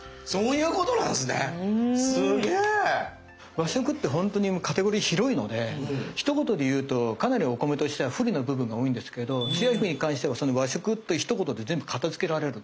和食ってほんとにカテゴリー広いのでひと言で言うとかなりお米としては不利な部分が多いんですけどつや姫に関してはその和食というひと言で全部片づけられる。